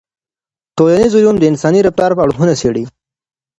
ټولنيز علوم د انساني رفتار اړخونه څېړي.